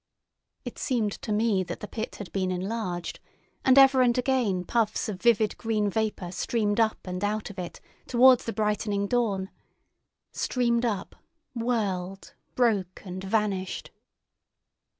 It seemed to me that the pit had been enlarged, and ever and again puffs of vivid green vapour streamed up and out of it towards the brightening dawn—streamed up, whirled, broke, and vanished.